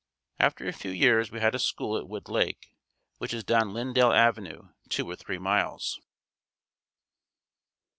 After a few years we had a school at Wood Lake, which is down Lyndale avenue two or three miles.